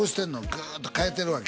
グーッと変えてるわけ？